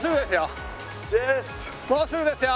もうすぐですよ。